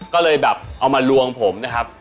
ก็เลยแบบเอามาลวงผมนะครับ